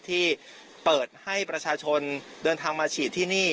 ที่เปิดให้ประชาชนเดินทางมาฉีดที่นี่